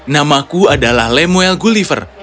namaku adalah lemuel gulliver